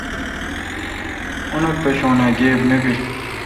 اونتھ پشون اؘ گیب نہ بیل۔